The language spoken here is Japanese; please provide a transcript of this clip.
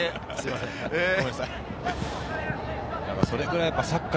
それぐらい